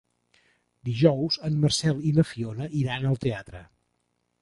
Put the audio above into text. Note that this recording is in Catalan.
Dijous en Marcel i na Fiona iran al teatre.